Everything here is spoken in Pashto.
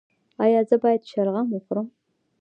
ایا زه باید شلغم وخورم؟